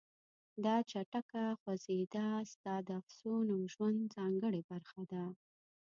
دا چټکه خوځېدا ستا د افسون او ژوند ځانګړې برخه ده.